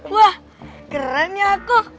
wah keren ya aku